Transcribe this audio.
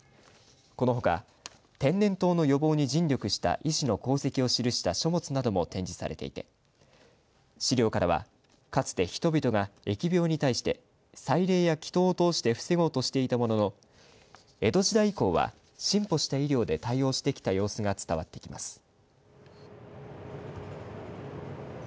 このほか、天然痘の予防に尽力した医師の功績を記した書物なども展示されていて資料からはかつて人々が疫病に対して祭礼や祈とうを通して防ごうとしていたものの江戸時代以降は進歩した医療で対応してきた様子が伝わってきます。